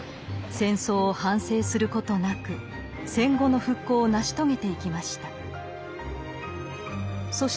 戦争を反省することなく戦後の復興を成し遂げていきました。